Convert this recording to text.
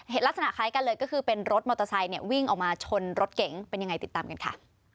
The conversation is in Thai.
ลักษณะคล้ายกันเลยก็คือเป็นรถมอเตอร์ไซค์เนี่ยวิ่งออกมาชนรถเก๋งเป็นยังไงติดตามกันค่ะ